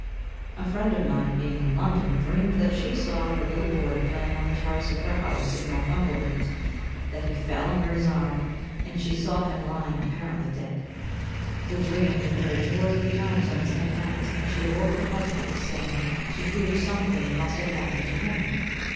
A friend of mine, being in London, dreamed that she saw her little boy playing on the terrace of her house in Northumberland; that he fell and hurt his arm, and she saw him lying apparently dead. The dream recurred two or three times on the same night, and she awoke her husband, saying she "feared something must have happened to Henry."